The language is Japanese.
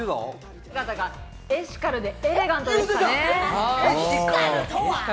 エシカルでエレガントですかね。